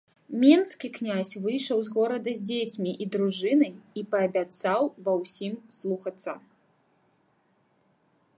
Менскі князь выйшаў з горада з дзецьмі і дружынай і паабяцаў ва ўсім слухацца.